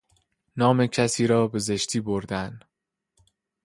نام کسی را به زشتی بردن